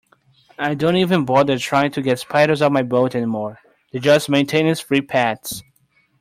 I don't even bother trying to get spiders out of my boat anymore, they're just maintenance-free pets.